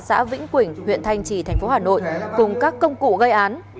xã vĩnh quỳnh huyện thanh trì thành phố hà nội cùng các công cụ gây án